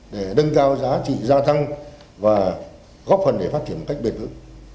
để nâng cao giá trị gia tăng và góp phần để phát triển một cách bền vững